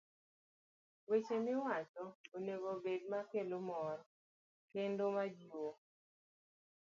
Weche miwacho onego obed makelo mor kendo majiwo